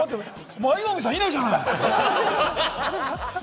舞の海さん以来じゃない！